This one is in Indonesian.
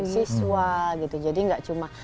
siswa gitu jadi nggak cuma